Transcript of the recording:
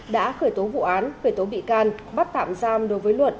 đã khởi tố vụ án khởi tố bị can bắt tạm giam đối với luận